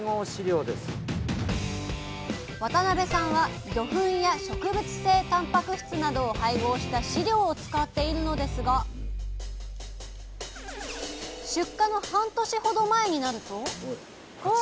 渡邊さんは魚粉や植物性たんぱく質などを配合した飼料を使っているのですがこちらです。